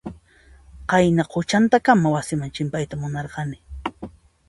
Qayna quchantakama wasinman chimpayta munarqani.